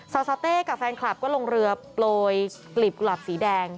สาวเต้กับแฟนคลับก็ลงเรือโปรยกลีบกุหลับสีแดง